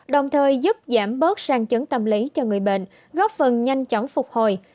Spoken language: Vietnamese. đồng thời giúp giảm bớt sang chấn tâm lý cho người bệnh góp phần nhanh chóng phục hồi